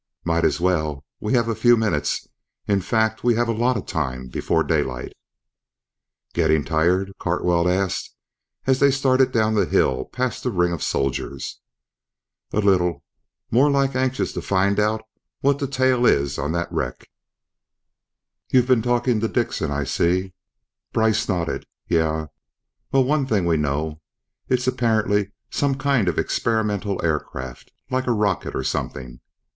"Might as well. We have a few minutes in fact, we have a lot of time, before daylight." "Getting tired?" Cartwell asked, as they started down the hill past the ring of soldiers. "A little. More like anxious to find out what the tale is on that wreck." "You've been talking to Dickson, I see." Brice nodded. "Yeah. Well, one thing we know. It's apparently some kind of experimental aircraft ... like a rocket, or something.